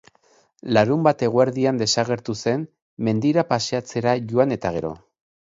Larunbat eguerdian desagertu zen, mendira paseatzera joan eta gero.